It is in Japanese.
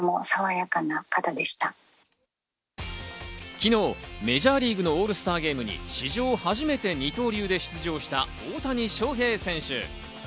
昨日、メジャーリーグのオールスターゲームに史上初めて二刀流で出場した大谷翔平選手。